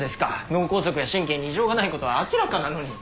脳梗塞や神経に異常がない事は明らかなのに！